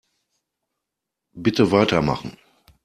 Bitte weitermachen.